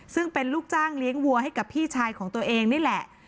ซึ่งเป็นลูกจ้างเลี้ยงวัวให้กับพี่ชายของตัวเองนี่แหละ